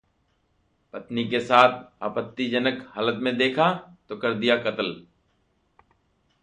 पत्नी के साथ आपत्तिजनक हालत में देखा, तो कर दिया कत्ल